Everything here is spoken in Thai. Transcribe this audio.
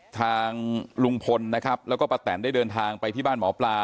ทางลุงพลนะครับแล้วก็ป้าแตนได้เดินทางไปที่บ้านหมอปลา